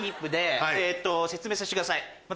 説明させてくださいまず。